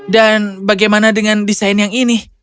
dan bagaimana dengan desain yang ini